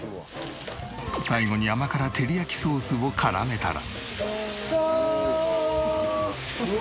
最後に甘辛照り焼きソースを絡めたら。